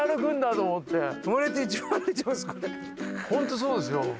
本当そうですよ。